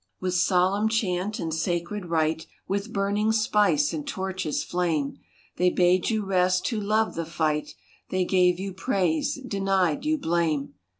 With solemn chant and sacred rite, With burning spice and torches' flame, They bade you rest who loved the fight, They gave you praise, denied you blame.